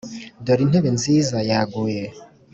dore intebe nziza, yaguze.